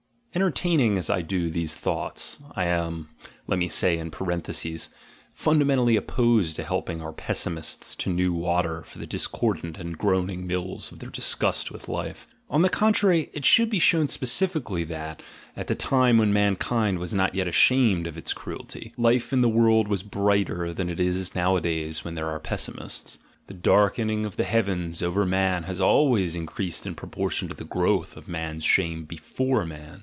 Entertaining, as I do, these thoughts, I am, let me say in parenthesis, fundamentally opposed to helping our pes simists to new water for the discordant and groaning mills of their disgust with life; on the contrary, it should be shown specifically that, at the time when mankind was not yet ashamed of its cruelty, life in the world was brighter than it is nowadays when there are pessimists. The darkening of the heavens over man has always in creased in proportion to the growth of man's shame be fore man.